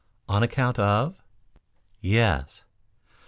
"On account of?" "Yes."